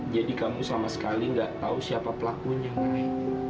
jadi kamu sama sekali nggak tahu siapa pelakunya mari